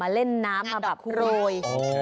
เล่นน้ำมาแบบโรย